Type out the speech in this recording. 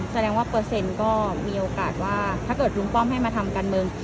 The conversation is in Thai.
แสดงว่าเปอร์เซ็นต์ก็มีโอกาสว่าถ้าเกิดลุงป้อมให้มาทำการเมือง